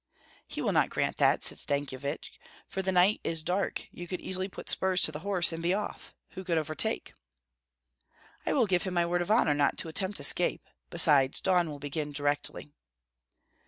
"He will not grant that," said Stankyevich; "for the night is dark, you could easily put spurs to the horse, and be off. Who could overtake?" "I will give him my word of honor not to attempt escape; besides, dawn will begin directly."